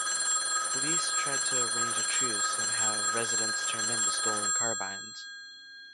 Police tried to arrange a truce and have residents turn in the stolen carbines.